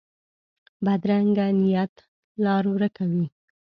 بدرنګه نیت لار ورکه وي